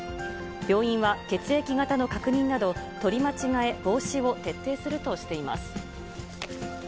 病院は血液型の確認など、取り間違え防止を徹底するとしています。